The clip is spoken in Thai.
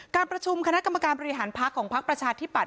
การประชุมคณะกรรมการปริหารพรรคของพรรคประชาธิบัตน์